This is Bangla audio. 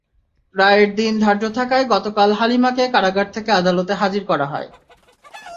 রায়ের দিন ধার্য থাকায় গতকাল হালিমাকে কারাগার থেকে আদালতে হাজির করা হয়।